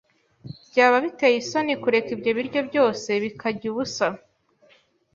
Byaba biteye isoni kureka ibyo biryo byose bikajya ubusa.